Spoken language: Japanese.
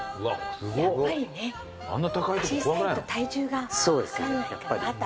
やっぱりね小さいと体重がかかんないから。